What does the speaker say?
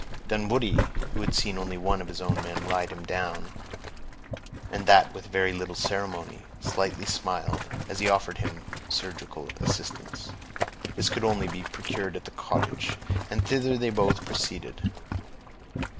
Dunwoodie, who had seen one of his own men ride him down, and that with very little ceremony, slightly smiled, as he offered him surgical assistance. This could only be procured at the cottage, and thither they both proceeded.